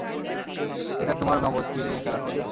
এটা তোমার মগজকে নিয়ে খেলা করবে!